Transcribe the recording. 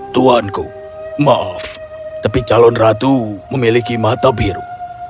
tuanku maaf tapi calon ratu memiliki mata biru